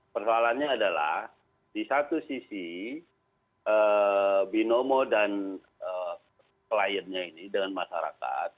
persoalannya adalah di satu sisi binomo dan kliennya ini dengan masyarakat